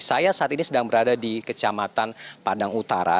saya saat ini sedang berada di kecamatan padang utara